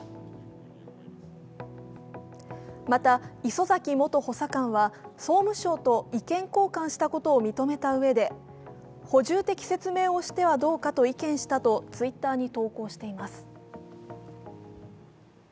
また、礒崎元補佐官は総務省と意見交換したことを認めたうえで補充的説明をしてはどうかと意見したとＴｗｉｔｔｅｒに投稿しています。